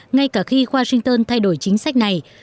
ngay cả khi washington thay đổi chính sách này